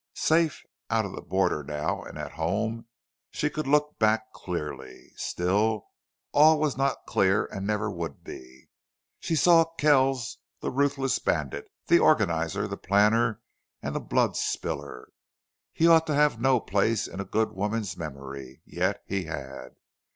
Safe out of the border now and at home, she could look back clearly. Still all was not clear and never would be. She saw Kells the ruthless bandit, the organizer, the planner, and the blood spiller. He ought have no place in a good woman's memory. Yet he had.